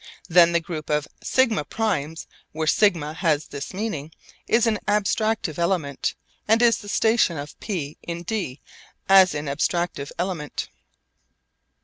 Then the group of σ primes, where σ has this meaning, is an abstractive element and is the station of P in d as an abstractive element.